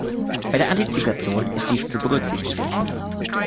Bei der Antizipation ist dies zu berücksichtigen.